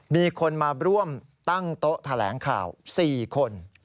มีคนมาร่วมตั้งโต๊ะแถลงข่าว๔คน